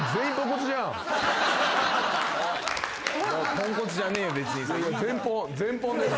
ポンコツじゃねえよ。